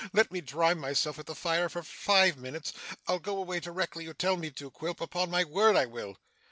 Let me dry myself at the fire for five minutes. I'll go away directly you tell me to, Quilp. Upon my word I will.